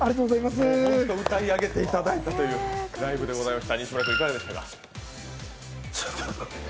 本当に歌い上げていただいたというライブでございました。